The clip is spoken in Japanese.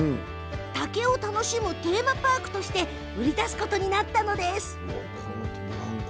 竹を楽しむテーマパークとして売り出すことになりました。